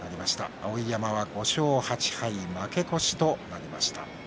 碧山は５勝８敗負け越しとなりました。